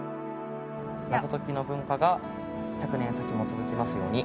謎解きの文化が１００年先も続きますように。